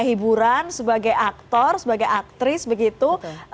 hiburan sebagai aktor sebagai aktris begitu